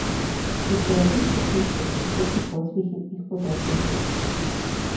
Хутчэй ад іх пачуеш пра жыццё і подзвігі іх пабрацімаў.